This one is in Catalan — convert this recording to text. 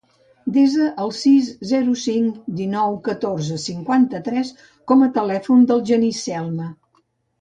Desa el sis, zero, cinc, dinou, catorze, cinquanta-tres com a telèfon del Genís Celma.